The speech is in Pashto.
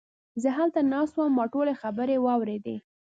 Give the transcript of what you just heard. زه هلته ناست وم، ما ټولې خبرې واوريدې!